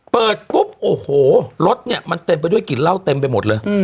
เปิดปุ๊บโอ้โหรถเนี่ยมันเต็มไปด้วยกลิ่นเหล้าเต็มไปหมดเลย